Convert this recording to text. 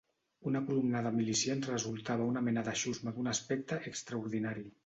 Una columna de milicians resultava una mena de xusma d'un aspecte extraordinari